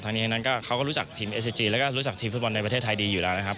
นี้เขาก็รู้จักทีมเอสซิจีแล้วก็รู้จักทีมฟุตบอลในประเทศไทยดีอยู่แล้วนะครับ